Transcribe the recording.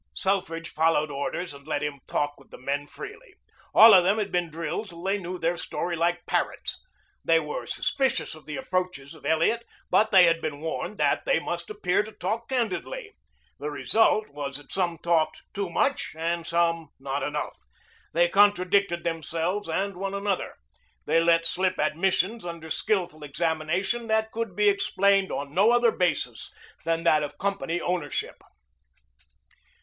Selfridge followed orders and let him talk with the men freely. All of them had been drilled till they knew their story like parrots. They were suspicious of the approaches of Elliot, but they had been warned that they must appear to talk candidly. The result was that some talked too much and some not enough. They contradicted themselves and one another. They let slip admissions under skillful examination that could be explained on no other basis than that of company ownership.